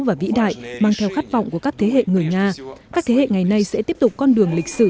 và vĩ đại mang theo khát vọng của các thế hệ người nga các thế hệ ngày nay sẽ tiếp tục con đường lịch sử